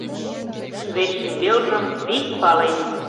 Вет шӱмбелжым вик пален!